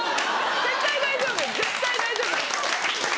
絶対大丈夫絶対大丈夫です。